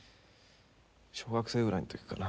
小学生ぐらいの時かな。